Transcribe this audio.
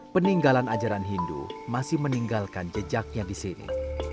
peninggalan ajaran hindu masih meninggalkan jejaknya di sini